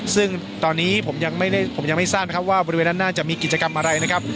ซึ่งตอนนี้ผมยังไม่ได้ผมยังไม่ทราบนะครับว่าบริเวณด้านหน้าจะมีกิจกรรมอะไรนะครับ